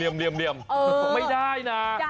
ไม่ได้นะ